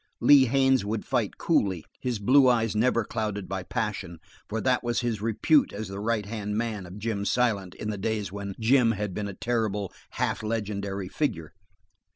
Lee Haines would fight coolly, his blue eyes never clouded by passion, for that was his repute as the right hand man of Jim Silent, in the days when Jim had been a terrible, half legendary figure.